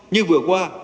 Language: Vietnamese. như vừa qua